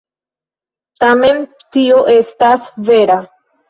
Tamen tio estas vera.